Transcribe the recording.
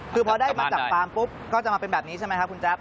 คือพอได้มาจากฟาร์มปุ๊บก็จะมาเป็นแบบนี้ใช่ไหมครับคุณแจ๊บ